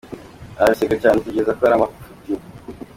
Arabiseka cyane atekereza ko ari amafuti.